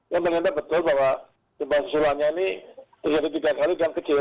yang ternyata betul bahwa gempa susulannya ini terjadi tiga kali dan kecil